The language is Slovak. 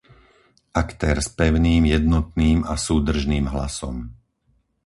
Aktér s pevným, jednotným a súdržným hlasom.